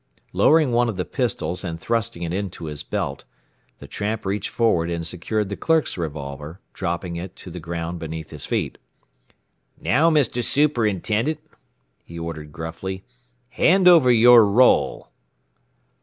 Lowering one of the pistols and thrusting it into his belt, the tramp reached forward and secured the clerk's revolver, dropping it to the ground beneath his feet. "Now, Mr. Superintendent," he ordered gruffly, "hand over your roll!"